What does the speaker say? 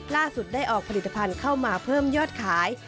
ได้ออกผลิตภัณฑ์เข้ามาเพิ่มยอดขาย